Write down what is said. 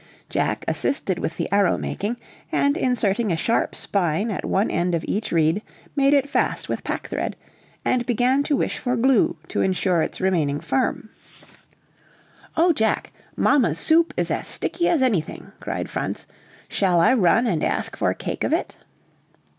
Jack assisted with the arrow making, and inserting a sharp spine at one end of each reed made it fast with pack thread, and began to wish for glue to insure its remaining firm. "O Jack! Mamma's soup is as sticky as anything!" cried Franz; "shall I run and ask for a cake of it?"